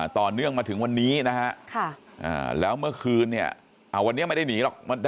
ต่อเนื่องมาถึงวันนี้นะฮะแล้วเมื่อคืนเนี่ยวันนี้ไม่ได้หนีหรอก